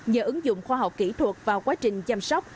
nhờ ứng dụng khoa học kỹ thuật vào quá trình chăm sóc